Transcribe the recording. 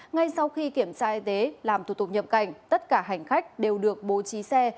ngay sau khi kiểm tra y tế làm thủ tục nhập cảnh tất cả hành khách đều được bố trí xe